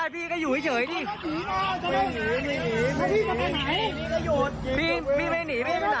พี่ไปหนีพี่ไปไหน